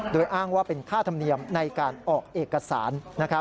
โดยอ้างว่าเป็นค่าธรรมเนียมในการออกเอกสาร